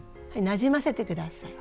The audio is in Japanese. なじませて下さい。